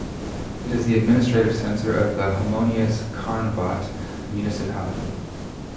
It is the administrative centre of the homonymous Karnobat Municipality.